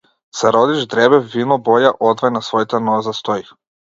Се роди ждребе вино-боја, одвај на своите нозе стои.